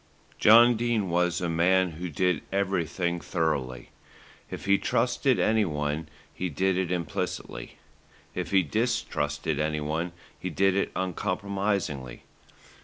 John Dene was a man who did everything thoroughly. If he trusted anyone, he did it implicitly; if he distrusted anyone, he did it uncompromisingly.